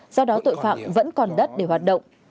do đó tội phạm vẫn còn đất để hoạt động